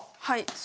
はい。